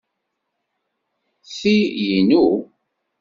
Ti inu.